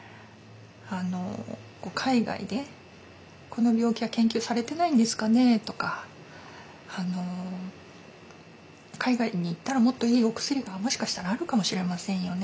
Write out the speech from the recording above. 「海外でこの病気は研究されてないんですかね？」とか「海外に行ったらもっといいお薬がもしかしたらあるかもしれませんよね」